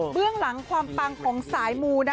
เรื่องหลังความปังของสายมูนะ